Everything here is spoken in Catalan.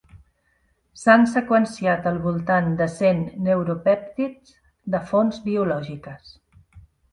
S'han seqüenciat al voltant de cent neuropèptids de fonts biològiques.